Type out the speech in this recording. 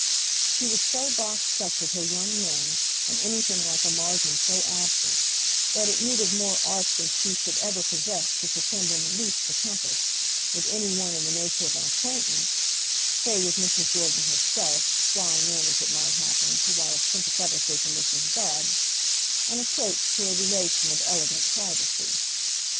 She was so boxed up with her young men, and anything like a margin so absent, that it needed more art than she should ever possess to pretend in the least to compass, with any one in the nature of an acquaintance—say with Mrs. Jordan herself, flying in, as it might happen, to wire sympathetically to Mrs. Bubb—an approach to a relation of elegant privacy.